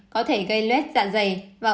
có thể gây lết dạ dày và